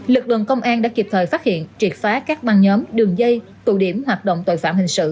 lực lượng công an đã kịp thời phát hiện triệt phá các băng nhóm đường dây tụ điểm hoạt động tội phạm hình sự